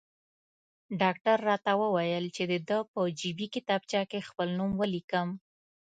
ډاکټر راته وویل چې د ده په جیبي کتابچه کې خپل نوم ولیکم.